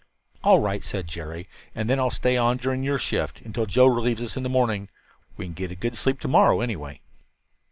"All right," said Jerry, "and then I'll stay on during your shift, until Joe relieves us in the morning. We can get a good sleep to morrow, anyway."